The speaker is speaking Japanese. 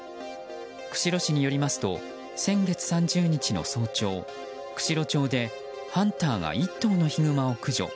釧路市によりますと先月３０日の早朝、釧路町でハンターが１頭のヒグマを駆除。